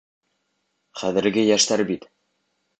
Хәҙерге йәштәр бит...